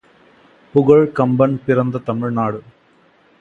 புகழ்க் கம்பன் பிறந்த தமிழ்நாடு